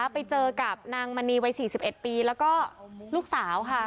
ไปเจอกับนางมณีวัย๔๑ปีแล้วก็ลูกสาวค่ะ